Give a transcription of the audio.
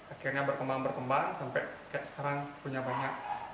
akhirnya berkembang berkembang sampai kayak sekarang punya banyak